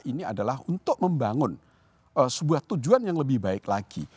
ini adalah untuk membangun sebuah tujuan yang lebih baik lagi